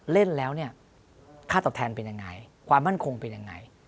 เล่นแล้วเนี่ยค่าตอบแทนเป็นยังไงความมั่นคงเป็นยังไง